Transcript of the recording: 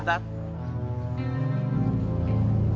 ikut bapak said